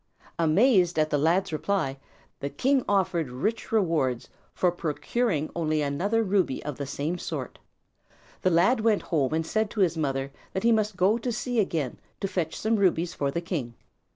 Amazed at the lad's reply, the king offered rich rewards for procuring only another ruby of the same sort. The lad went home and said to his mother that he must go to sea again to fetch some rubies for the king.